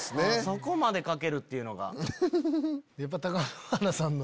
そこまで描けるっていうのが。